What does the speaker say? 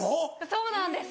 そうなんです。